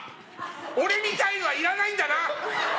俺みたいのはいらないんだな！